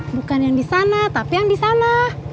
bukan yang di sana tapi yang di sana